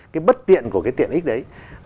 cái bất tiện của cái tiện x đấy